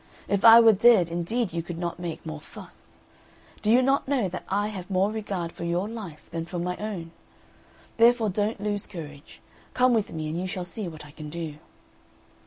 If I were dead indeed you could not make more fuss. Do you not know that I have more regard for your life than for my own? Therefore don't lose courage; come with me, and you shall see what I can do."